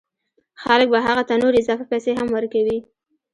خلک به هغه ته نورې اضافه پیسې هم ورکوي